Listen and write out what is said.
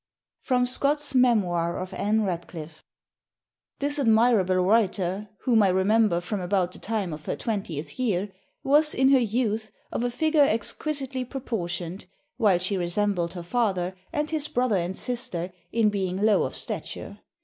[Sidenote: Scott's Memoir of Ann Radcliffe.] "This admirable writer, whom I remember from about the time of her twentieth year, was, in her youth, of a figure exquisitely proportioned, while she resembled her father and his brother and sister in being low of stature.